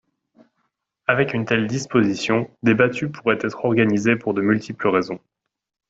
Avec une telle disposition, des battues pourraient être organisées pour de multiples raisons.